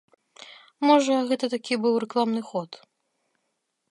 Можа, гэта такі быў рэкламны ход.